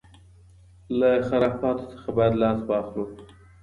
له خرافاتو څخه بايد لاس واخلو.